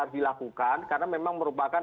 dilakukan karena memang merupakan